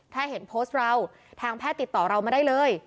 ถ้าเห็นโพสต์เราทางแพทย์ติดต่อเรามาได้เลย